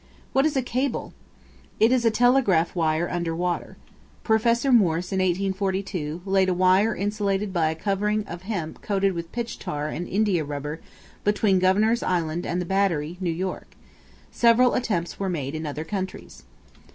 What is a Cable? It is a telegraph wire under water. Prof. Morse, in 1842, laid a wire insulated by a covering of hemp coated with pitch tar and India rubber between Governor's Island and the Battery, New York. Several attempts were made in other countries.